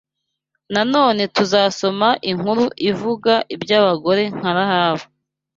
Nanone tuzasoma inkuru zivuga iby’abagore nka Rahabu